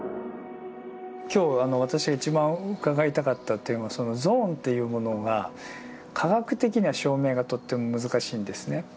今日私が一番伺いたかった点はそのゾーンというものが科学的には証明がとっても難しいんですね。